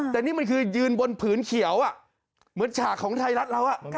แต่นี่มันคือยืนบนผืนเขียวเหมือนฉากของไทยรัฐเรา